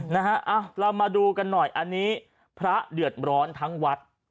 นะฮะเรามาดูกันหน่อยอันนี้พระเดือดร้อนทั้งวัด